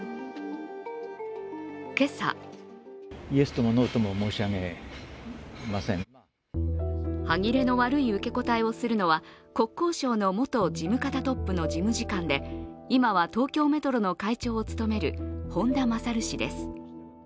今朝歯切れの悪い受け答えをするのは国交省の元事務方トップの事務次官で今は東京メトロの会長を務める本田勝氏です。